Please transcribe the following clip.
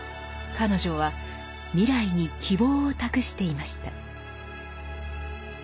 彼女は未来に希望を託していました。